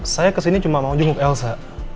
saya kesini cuma mau jenguk elsa